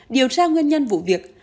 điều tra nguyên nhân vụ việc